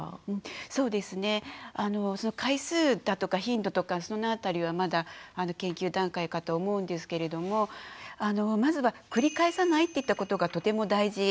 そうですね回数だとか頻度とかその辺りはまだ研究段階かと思うんですけれどもまずは繰り返さないっていったことがとても大事です。